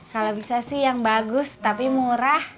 kalau bisa sih yang bagus tapi murah